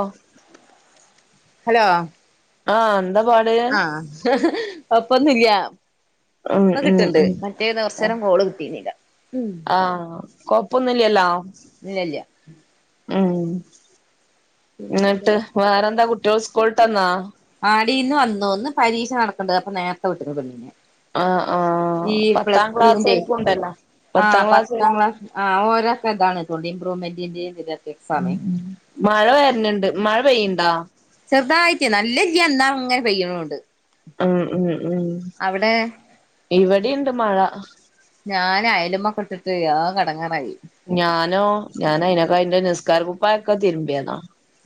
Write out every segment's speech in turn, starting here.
ഓഹ് hello ആഹ് ന്താ പാട് ഹ് ഹ് ഹ് അപ്പൊന്നുംല്ല്യ ഉം ഇപ്പ ഉം കിട്ട്ണ്ട് ഉം മറ്റേത് കൊർചേരം കോള് കിട്ടീന്നില്ല ഉം ആഹ് കൊഴപ്പൊന്നുല്ല്യല്ലോ ഇല്ലല്ല്യ ഉം ന്നട്ട് വേറെന്താ കുട്ട് ട്ട്യോൾ സ്കൂൾട്ടന്നോ ആടീന്ന് വന്നു ന്ന് പരീഷ നടക്ക്ണ്ട് അപ്പൊ നേരത്തെ വിട്ട്ക്ക്ണ് പെണ്ണിനെ ആഹ് ആഹ് ഈ പത്താം പ്ലസ് ടുന്റെ ക്ലാസ്സാർക്കും ഉണ്ടല്ലോ ആ പത്താം ക്ലാസ്സാർക്കും ക്ലാസ് ആഹ് ഓരോക്കെതാണ് തോൺണ്ട് ഇമ്പ്രൂവ്മെന്റിന്റിം തിന്റ ഉം ഉം മഴ വര്ന് ണ്ട് മഴ പെയ്യ്ണ്ടോ ചെർതായിട്ട് നല്ലല്ല്യ ന്നാ ങ്ങനെ പെയ്യ്ണൂണ്ട് ഉം ഉം ഉം അവിടെ ഇവിടിണ്ട് മഴ ഞാൻ അയലമ്മൊക്കെട്ടിട്ട് ആകെടങ്ങാറായി ഞാനോ ഞാനയ്നക അയ്ന്റെ നിസ്കാര കുപ്പായൊക്കെ തിരുമ്പിയത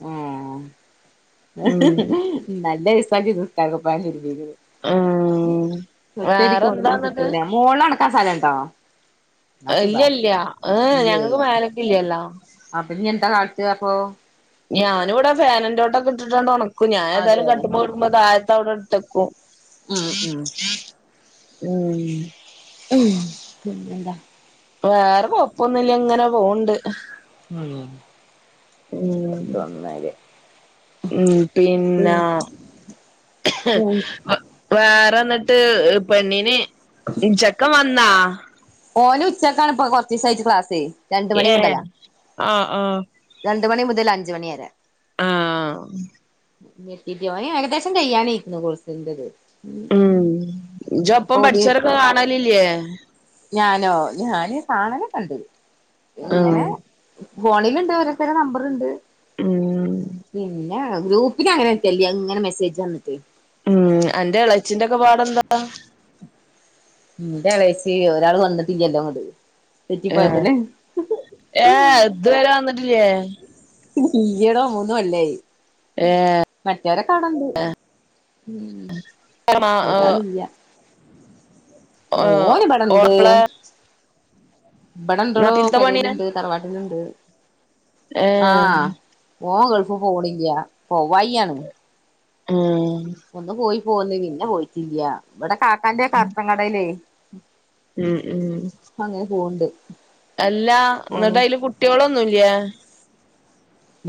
ഉം ഉം [unintelligible] നല്ല ദീസാജ്ജ് നിസ്ക്കാര ക്കുപ്പായം തിര്മ്പീത് ഉം ഒറ്റടിക്കൊണങ്ങി വേറെന്താന്നിട്ട് കിട്ടൂല മോളിലൊണക്കാൻ സ്ഥലണ്ടോ. ആ സുഖാ ഇല്ല്യല്ല ഏഹ് ഞങ്ങക്ക് മേലക്ക്ല്ല്യല്ലോ അപ്പൊഞ് ന്താ കാട്ടാ അപ്പൊ ഞാന്വ് ടെ ഫാന് ന്റോട്ടൊക്കെട്ടിട്ടാണ്ട് ഒണക്കും ഞാനേതായാലും അതെ കട്ട്മ്മേ കെടക്കുമ്പോ താഴ്ത്തവ്ടെട് ത്തെക്കും ഉം ഉം ഉം ഉം പിന്നെന്താ വേറെ കൊഴപ്പൊന്നില്ല ങ്ങനെ പോവ്ണ്ട് ആണോ ഉം ഉം പിന്ന ഉം [unintelligible] വേറെ ന്നട്ട് പെണ്ണിന് ചെക്കംവന്നാ ഓന് ഉച്ചക്കാണ് പ്പൊ കൊർച്ചീസായിട്ട് ക്ലാസ്സേ രണ്ട് മണി ഏഹ് മുതലാ ആഹ് ആഹ് രണ്ട് മണി മുതൽ അഞ്ച് മണി വരെ ആഹ് [unintelligible] ഓന് ഏകദേശം കയ്യാനയ്ക്ക്ണ് കോഴ്സിന്റത് ഉം ജ് ഒപ്പം അപ്പൊ ഓല് പഠിച്ചോരൊക്കെ കാണലില്ലേ ഞാനോ ഞാന് കാണലൊക്കണ്ട് ആഹ് ഇങ്ങനെ ഫോണില്ണ്ട് ഓരോര്ത്തരെ നമ്പർണ്ട് ഉം പിന്നെ ഹെ ഗ്രൂപ്പിലങ്ങനയ്‌ക്കേല്ല്യാ അഹ് ങ്ങനെ മെസ്സേജ് വന്നിട്ട് ഉം അന്റെ എളച്ചിന്റൊക്കെ പാടെന്താ. ഉം ന്റെളേച്ചി ഒരാൾ വന്നിട്ടില്ല്യല്ലോ ങ്ങട്ട് ഏഹ് ഏഹ് ഏ ഇത് വരെ വന്നിട്ടില്ലേ ഇല്ല്യടോ മൂന്നു കൊല്ലായി മറ്റവരെ കാണണ്ട് ഉം മാ ഏഹ് വടാണില്ല്യ ഏഹ് ഓന്ബടണ്ട് ഓളെപ്പളാ ഇബടണ്ടടോ നാട്ടിൽത്തെ പണിയാ പെരേല്ണ്ട് തറവാട്ടില്ണ്ട് ഏഹ് ആഹ് ഓൻ ഗൾഫ് പോണില്ലാ പോ വയ്യ ഏഹ് ഒന്ന് പോയി പോന്നു പിന്നെ പോയിട്ടില്ല ഇവിടെ കാക്കാന്റെൊക്ക കാർട്ടൻ കടല്ലേ ഉം ഉം പ്പം അങ്ങനെ പോവണ്ട് അല്ല എന്നിട്ട് അതില് കുട്ടികളൊന്നുംല്ല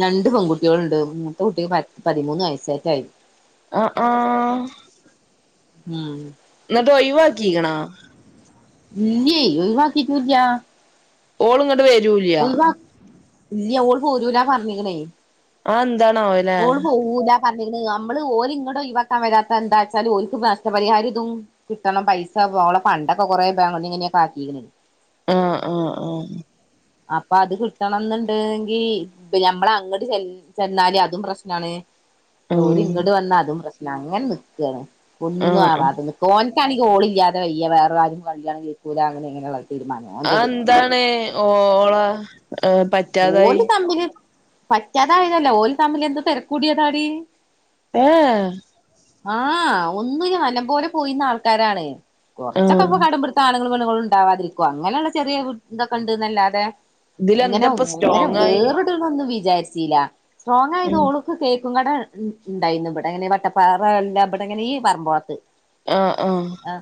രണ്ട് പെൺുട്ടികളുണ്ട് മുത്തെ കുട്ടികൾ പ പതിമൂന്ന് വയസ്സായിട്ടായിരുന്നു ആഹ് ആഹ് ഉം എന്നിട്ട് ഒഴിവാക്കിക്കണേ ഇല്ലേ ഒഴിവാക്കിട്ടൂല്ല ഓള്ങ്ങട്ട് വരൂല്ല ഇല്ല ഓൾ പോരൂല പറഞ്ഞിക്കണേ അതെന്താണാവോല്ലേ ഓള് പോവൂല പറഞ്ഞിക്കുന്നത് നമ്മള് ഓരി ഇങ്ങടും വാക്കൻ വരാത്ത എന്താ വച്ചാൽ ഒല്ക്ക് നഷ്ടപരിഹാരം ഇതും കിട്ടണം പൈസെ പണ്ടൊക്കെ കുറെ ബാ ഇങ്ങനൊക്കെ ആക്കിണ്ട് ആഹ് ആഹ് ആഹ് അപ്പൊ അത് കിട്ടണംന്നുണ്ടെങ്കി മ്മള അങ്ങോട്ട് ചെന്നാല് അതും പ്രശ്നാണ് ജോലി ഉം ഇങ്ങട്ട് വന്നാ അതും പ്രശ്നം അങ്ങനെ നിക്കാണ് ഒന്നും ആഹ് ആഹ് ആവാത് ഓൻക്കാണങ്കി ഓളില്ലാതെ വയ്യ വേറെ ആരിം കിയാണ് [unintelligible] കേക്കൂല അങ്ങനെങ്ങനെയുള്ള തീരുമാനം ഓന്റത് ആന്താണ് ഓള പറ്റാതായി പറ്റാതായതല്ലോ ഓല് തമ്മിൽ എന്ത് തെരക്കൂടിയതാടി ഏഹ് ആഹ് ഒന്നും അല്ലകേ പോയിര്ന്ന ആൾക്കാരാണ് കൊറച്ചൊക്കെ ആഹ് ഇപ്പ കടമ്പ ആണുങ്ങളും പെണുങ്ങളും ണ്ടവാതിരിക്കുവ അങ്ങനെയുള്ള ചെറിയ ഇതൊക്കെണ്ടന്നല്ലാതെ ഇതിലെന്തപ്പൊ അങ്ങനെ വേറിടിനോന്നും വിചാരിച്ചില്ല സ്ട്രോങ്ങ് ഉം ആയതോളൂ കേക്കും കട ണ്ടായിരുന്നു ഇവിട അങ്ങനെ വട്ടപ്പാറ എല്ലാം ഇവിടെങ്ങനെ ഈ പറമ്പോളത്ത് ആഹ് ആഹ് ആഹ്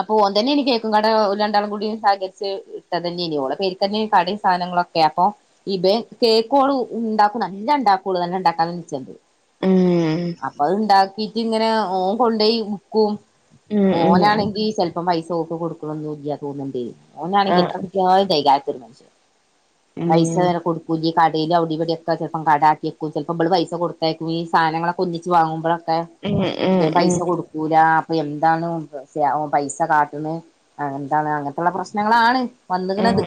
അപ്പൊഓൻ തന്നെനി കേക്കും കട ഓല്ലണ്ടാളും കൂടി സഹകരിച്ച് ഇട്ട തന്നെനി ഓളെ പേരിതന്നെനി കടിം സാധനങ്ങളൊക്കെ ക്കെ അപ്പൊ ഇബൻ കേക്കോള് ണ്ടാക്കും നല്ലണ്ടാക്കോള് നല്ലണ്ടാക്കാനും നിച്ചണ്ട് ഉം അപ്പൊ അത്ണ്ടാക്കിട്ട് ഇങ്ങനെ ഓൻകൊണ്ടോയി വിക്കും ഉം ഉം ഓനാണെങ്കിൽ ചെലപ്പം പൈസോക്ക്‌ കൊടുക്കണോന്ന് ല്ല്യ തോന്നുണ്ടേ ഓനാണെങ്കി ആഹ് എത്ര കിട്ടിയാലും തൈകാത്ത ഒരു മനുഷ്യൻ ഉം പൈസ വരെ കൊടുക്കൂല്ല്യ കടേലും അവിടിമ്പിടിക്കെ ചിലപ്പം കടാക്കിയെുകും ചിലപ്പോ ഇബള് പൈസ കൊടുത്തേക്ക ഈ സാധനങ്ങളക്ക ഒന്നിച്ച് വാങ്ങുമ്പോ ക്ക ഉം ഉം ഇബൻ പൈസ ഉം കൊടുക്കൂല അപ്പൊ ന്താണ് ഓൻ പൈസ കാട്ടണ ആഹ് ന്താണ് അങ്ങനത്തുള്ള പ്രശ്നങ്ങളാണ് ഉം വന്നകണത്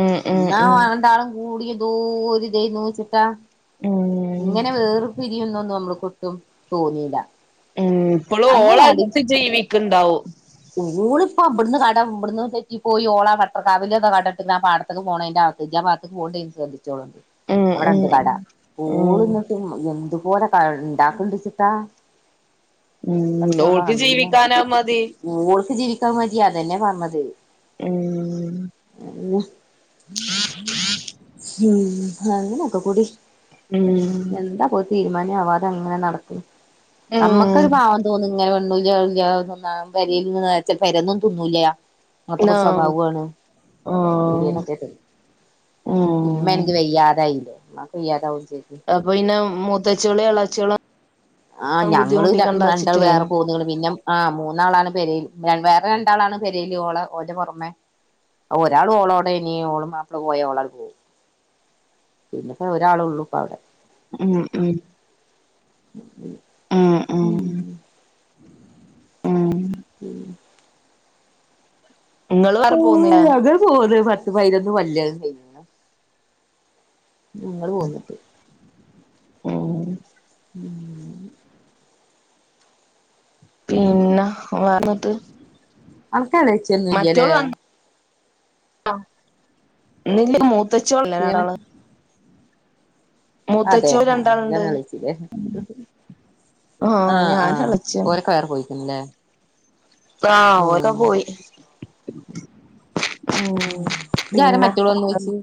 ഉം ഉം ന്നാ ഉം ഉം വന്താളം കൂടിയ ദൂരിതേ നോച്ചിട്ടാ ഉം ഇങ്ങനെ വേർപിരിയൊന്നും ഒന്നും നമ്മൾക്ക് ഒട്ടും തോന്നില്ല ഉം ഇപ്പളും ഓളടുത്ത് ജീവിക്കണ്ടാവും ഓള്പ്പോ ഇവ്ട്ന്ന് തെറ്റി പോയി ഓള പട്ടർ കാവല കടട്ട്ക്കണ് പടത്തേക്ക പോണേന്റെ ആ [unintelligible] പോണ്ട ശ്രദ്ധിച്ചോളണ്ട് ഉം ഉം അവിടെണ്ട് കട ഉം കൂള എന്തുപോലെ ഉണ്ടാക്കണ്ടിചിട്ടാ ഉം ഓൾക്ക് നല്ല ജീവിക്കാനാ മതി ഓൾക്ക് ജീവിക്കാ മതി അതന്നെ പറഞ്ഞത് ഉം അയന്നെ ഉം അങ്ങനൊക്കെകുടി ഉം എന്താപോ തീരുമാനം ആവാതെ അങ്ങനെ നടക്കണ് ഉം അമ്മക്കൊരു പാവം തോന്നും ഇങ്ങനെ [unintelligible] ആ വരൽ നിന്ന് വച്ച വരൊന്നും തിന്നൂല നോ അങ്ങനത്തെക്കൊരു സ്വഭാവമാണ് ആഹ് ഇടിയനൊക്കെ ഉം ഇമ്മേണെങ്കി വയ്യാതായില്ലേ മാക്ക് വയ്യാതാവേം ചെയ്ത് അപ്പൊ പിന്നെ മുത്തച്ചോളി ഇളച്ചികള ആഹ് ഞങ്ങള് രണ്ടാ വേറെ പോന്ന പിന്നെ ആഹ് മൂന്നാളാണ് പെരൽ വേറെ രണ്ടാളാണ് പെരൽ ഓള ഓന്റെ പുറമെ ഒരാൾ ഓളോടെ ഇനി ഓളെ മാപ്പള പോയ ഓളൾ പോവും പിന്നെെപ്പ ഒരാള ഉള്ളൂപ്പ അവിടെ ഉം ഉം ഉം ഉം ഉം ഇങ്ങള് വേറെ പോന്നില്ലേ [unintelligible] ഞങ്ങള് പോന്നിട്ട് ഉം ഉം പിന്നെ വേറന്തൂട്ട് അനക്കല്ലേച്ച് മറ്റോള് വന്ന് ആ നിന്റ മൂ തെച്ചോൾല്ലേ ഏമ വേറാള് അതെ ആഹ് രണ്ടാളുണ്ട് ഇജ്ജന്ന വിളിച്ചില്ലേ ആഹ് ഞാൻ ആഹ് എളച്ചിയാണ് ഓരൊക്കെ വേറെ പോയിക്കണില്ലേ ആഹ് ഓൽക്ക പോയി ഉം ഇജാരെ പിന്ന മറ്റോള് വന്നോയ്ച്ച്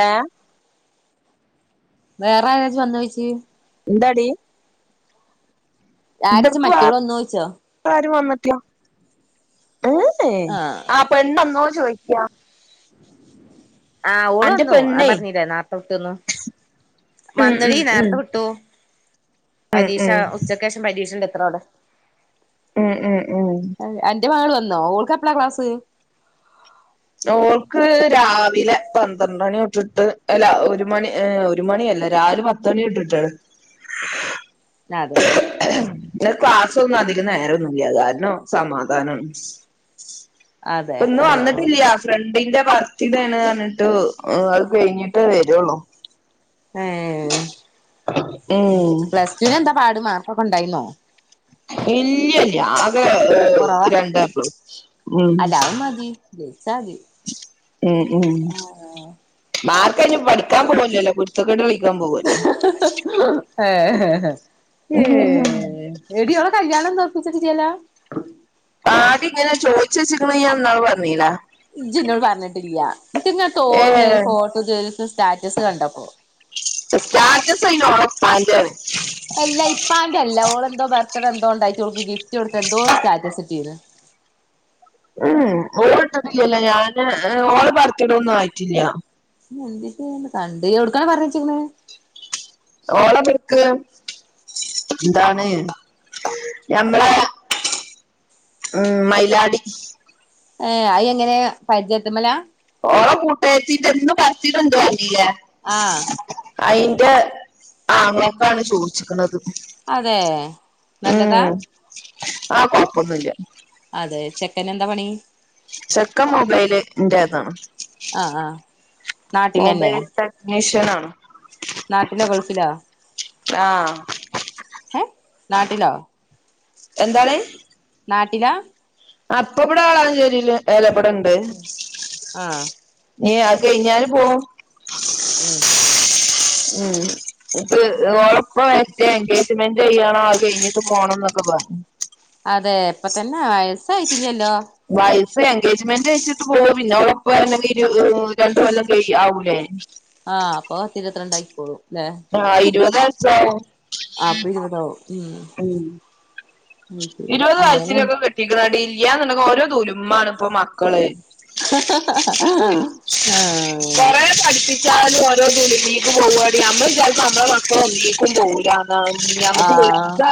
ഏഹ് വേറെ ഇജ്ജ് വന്നോയിച്ച് എന്താടി ആരോച്ച് ഇബട്ക്ക് വേറെ മറ്റോള് വന്നോച്ചോ ആരും വന്നട്ടില്ല ഏയ് ആഹ് ആ പെണ്ണൊന്നൊന്ന് ചോയിക്കാ ആഹ് ഓള് അന്റെ വന്നു അ പെണ്ണേ പറഞ്ഞില്ലേ നാട്ടിതേന്നു ഉം വന്നെടീ ഉം ഉം നേരത്തെ വിട്ടു ഉം പരീക്ഷ ഉം ഉച്ചക്കേഷം പരീക്ഷിണ്ട് എത്രാവിട ഉം ഉം ഉം എന്റെ മകള് വന്നോ ഓൾക്കെപ്പളാ ക്ലാസ് ഓൾക്ക് രാവിലെ പന്ത്രണ്ട് മണിതൊട്ടിട്ട് അല്ല ഒരു മണി ഏഹ് ഒരു മണിയല്ല രാവിലെ പത്ത് മണി തൊട്ടിട്ടാണ് ന്നാതെ ഇ ക്ലാസ്സൊന്നും അധികം നേരൊന്നുല്ല കാരണം സമാധാനം അതെ ആഹ് ആ ആ ഫ്രണ്ടിന്റെ ബർത്തിഡാണ് പറഞ്ഞിട്ട് അത് കഴിഞ്ഞിട്ടേ വെരുള്ളൂ ഏ ഉം പ്ലസ് ടുവിന് എന്താ പാട് മാർക്കൊക്കെ ഒണ്ടായിന്നോ ഇല്ലില്ല അ അത് കൊറവാ രണ്ടാക്കും ഉം അല്ല അത് മതി ജയിച്ചാ മതി ഉം ഉം മാർക്കല്ലേ പഠിക്കാൻ വിടൂലല്ലോ കുരുത്തക്കേട് കളിക്കാൻ പോവുല്ലോ ഹേ ഹേ ഏഹ് എടീ അവള കല്യാണൊന്നും ഒറപ്പിച്ചട്ടില്ലല്ലോ ആടി ഇങ്ങനെ ചോയിച്ച് വെച്ചിക്കണ ഈ ഇന്നാള് പറഞീലാ ഇജ്ജെന്നോട് പറഞ്ഞിട്ടില്ല എനിക്കിങന തോന്നിയ ഏഹ് ഒരു ഫോട്ടോ ജോ സ്റ്റാറ്റസ് കണ്ടപ്പോ സ്റ്റാറ്റസ് അയില് ഓള ഫാന്റാണ് എല്ല ഇപ്പാന്റെ അല്ലാ ഓള എന്തോ ബർത്ത്ഡേ എന്തോ ഒണ്ടായിട്ട് ഓൾക് ഗിഫ്റ്റ് കൊടുത്ത് എന്തോ സ്റ്റാറ്റസ് ഇട്ടീന്ന് ഉം ഓ ഇട്ടട്ടില്ലല്ലേ ഞാന് ഓള് ബർത്തിടൊന്നും ആയിട്ടില്ല എന്നിട്ട് കണ്ട് ഇയ്യ് എവിടുക്കാണ് പറഞ്ഞ് വെച്ചിക്കണ ഓള പിക്ക് എന്താണ് ഞമ്മള ഉം മൈലാടി ഏ അയെങ്ങനെ പരിചയത്ത് മ്മലാ ഓള കൂട്ടാര്ത്തീട്ട എന്നും പറച്ചീട്ടെന്തോ ആയിന്നില്ലെ ആഹ് അയിന്റെ ആങ്ങളെക്കാണ് ചോയിച്ചിക്കണത് അതെ നല്ലതാ ആ കൊഴപ്പൊന്നുല്യ അതെ ചെക്കനെന്താ പണി ചെക്കൻ മൊബൈല് ന്റെതാണ് ആഹ് ആഹ് നാട്ടിലന്നെ മൊബൈൽ ടെക്നീഷ്യൻ ആണോ നാട്ടിലോ ഗൾഫിലോ ആഹ് ഏ നാട്ടിലോ എന്താണ് നാട്ടിലാ അപ്പ ഇവിടെ ആളാ [unintelligible] ടെണ്ട് ആഹ് ഏ അത് കഴിഞ്ഞാല് പോവും ഉം ഉം ഉം ഓളെപ്പഴാ [unintelligible] എൻഗേജ്മെന്റ് ചെയ്യണോ അത് ഇത്‌ പോണം ന്നൊക്കെ പറ അതെ ഇപ്പ തന്നെ വയസ്സായിട്ടില്ലല്ലോ വയസ് എൻഗേജ്മെന്റ് കഴിച്ചിട്ട് പോവും പിന്നെ [unintelligible] രണ്ട് കൊല്ലം കഴി ആവൂലേ ആ അപ്പൊ ഇരുപത്തിരണ്ടായിട്ട് പോവും ആ ഇരുപതെ അഞ്ചാവും ആ അപ്പൊ ഇരുപതാവും ഉം ഉം അത് ശരി അങ്ങനെ [unintelligible] ഇല്ല എന്നുണ്ടെങ്കിൽ ഓരോ ദുൽമാണ് ഇപ്പൊ മക്കള് കൊറേ ആഹ് [inaudible] നമ്മള് വിചാരിക്കും നമ്മളെ മക്കൾ ഒന്നീക്കും പോവൂലാ ആഹ് ഞമുക്ക് വിളിക്ക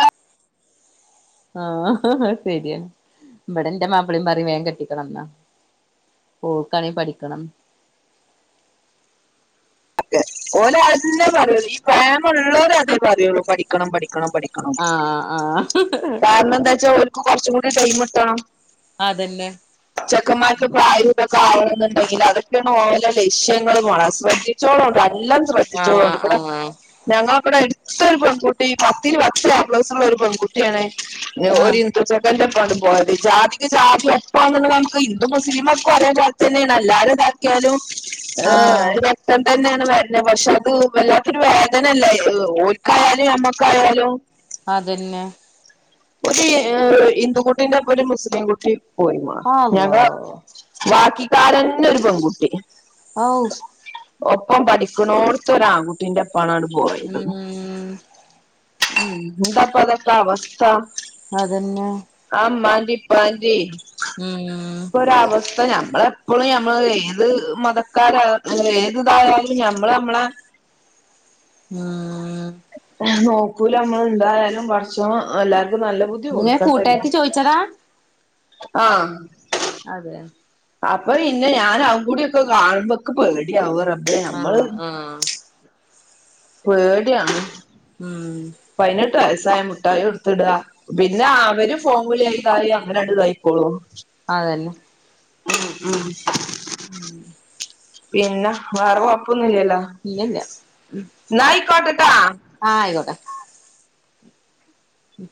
ആ അത് ശരിയാണ് ഇവിടെ ഇന്റെ മാപ്പിളയും പറയും വേഗം കെട്ടിക്കണം എന്നാ ഓൾക്കാണേ പഠിക്കണം ഓല് അന്നെ പറയുള്ളൂ ഈ പ്രേമ ഉള്ളോരും അതന്നെ പറയുള്ളൂ പഠിക്കണം പഠിക്കണം പഠി ആ ആഹ് ആഹ് കാരണം എന്താച്ചാൽ ഓൽക്ക് കുറച്ച്‌ കൂടി ടൈമ്ട്ടണം അതന്നെ ചെക്കന്മാർക്ക- തൊക്കെ ആവണുന്നുണ്ടെങ്കിൽ അതൊക്കെയാണ് ഓലെ ലക്ഷ്യങ്ങളും മോളേ ശ്രദ്ധിച്ചോളണ്ടി നല്ലം ആഹ് ശ്രദ്ധിച്ചോളണ്ടി ഇവിടെ ആഹ് ഞങ്ങളക്ക ഇവിടെ എടുത്തൊരു പെൺകുട്ടി പത്തിൽ പത്ത് എ പ്ലസ്സുള്ള ഒരു പെൺകുട്ടിയാണ് ഒരു ആഹ് ഹി ഹിന്ദു ചെക്കന്റെ ഒപ്പണ്ട് പോയത് ജാതിക്ക് ജാതി [unintelligible] കണക്ക് ഹിന്ദു മുസലിമും ഒക്കെ ഒരേ ജാതി തന്നെയാണ് എല്ലാരും ഇതാക്കിയാലും [unintelligible] ആഹ് പ്പം തന്നെയാണ് വര്ണ് പക്ഷെ അത് വല്ലാത്തൊരു വേദനല്ലേ ഓര്ക്കായാലും ഞമ്മക്കായാലും അതന്നെ ഒരു ഹിന്ദു കുട്ടീന്റൊപ്പം ഒരു മുസ്ലിം കുട്ടി പോയി മോളേ അള്ളാ ഞങ്ങള് ബാക്കിക്കാരന്നെ ഒരു പെൺകുട്ടി ആവൂ ഒപ്പം പഠിക്കുണോട്ത്ത ഒരു ആൺകുട്ടീന്റപ്പാണ് പോയത് ഉം എന്താപ്പ അതൊക്കെ അവസ്ഥ അതന്നെ ആ ഇമ്മാന്റിം ഇപ്പാന്റിം ഉം ഒര അവസ്ഥ നമ്മളെപ്പോഴും ഞമ്മള് ഏത് മതക്കാര ഏത്‌ തായാലും ഞമ്മൾ നമ്മളെ ഉം നോക്കൂല നമ്മൾ എന്തായാലും പടച്ചോൻ എല്ലാർക്കും നല്ല ബുദ്ധി ബുദ്ധി ഇങ്ങനെ കൂട്ടാരത്തി കൊടുക്കട്ടെ ചോയിച്ചതാ ആഹ് അതെ അപ്പൊ പിന്നെ ഞാൻ അഹുകൂടിഒക്കെ കാണുമ്പോ ഇൻക്ക് പേടിയാവ് റബ്ബേ ആ നമ്മള് ആ പേടിയാവുന്നു ഉം പതിനെട്ട് വയസ്സായ മുട്ടായി കൊടുത്തിടാ പിന്നെ അവര് ഫോൺ വിളി ആയിതാല അങ്ങനെണ്ട് ഇതായിക്കോളൂ അതന്നെ ഉം ഉം [unintelligible] പിന്നെ വേറെ കൊഴപ്പൊന്നും ഇല്ലല്ലോ ഇല്ലല്ല എന്നാ ആയിക്കോട്ടട്ടോ ആ ആയിക്കോട്ടെ ഉം